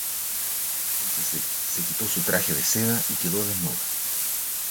Entonces se quitó su traje de seda y se quedó desnuda.